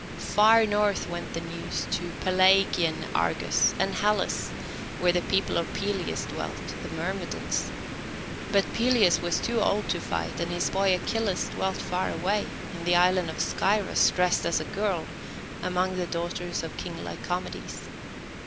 Far north went the news to Pelasgian Argos, and Hellas, where the people of Peleus dwelt, the Myrmidons; but Peleus was too old to fight, and his boy, Achilles, dwelt far away, in the island of Scyros, dressed as a girl, among the daughters of King Lycomedes.